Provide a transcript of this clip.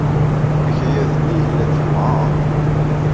Akayad-nni yella-d yewɛeṛ.